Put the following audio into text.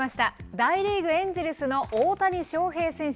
大リーグ・エンジェルスの大谷翔平選手。